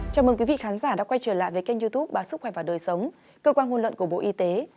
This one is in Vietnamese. chào mừng quý vị khán giả đã quay trở lại với kênh youtube bác sức khỏe và đời sống cơ quan hôn lợn của bộ y tế